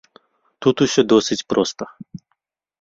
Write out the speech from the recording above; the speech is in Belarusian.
Тут усё досыць проста.